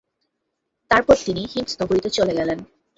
তারপর তিনি হিমস নগরীতে চলে গেলেন।